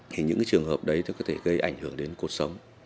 thì những cái trường hợp đấy có thể gây ảnh hưởng đến cuộc sống